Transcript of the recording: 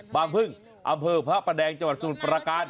พึ่งอำเภอพระประแดงจังหวัดสมุทรประการ